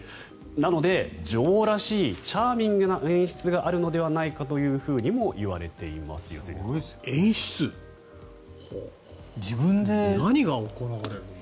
なので、女王らしいチャーミングな演出があるのではないかとも言われています、良純さん。演出？何が行われるんだろう。